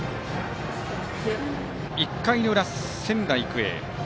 １回の裏、仙台育英。